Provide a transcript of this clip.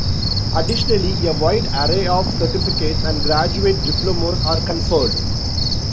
Additionally, a wide array of certificates and graduate diplomas are conferred.